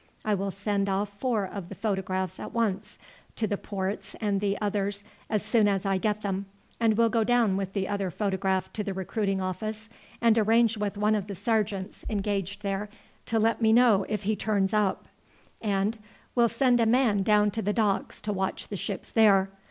I will send off four of the photographs at once to the ports and the others as soon as I get them, and will go down with the other photograph to the recruiting office and arrange with one of the sergeants engaged there to let me know if he turns up, and will send a man down to the docks to watch the ships there.